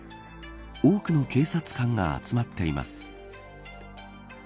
多くの警察官が集まっています。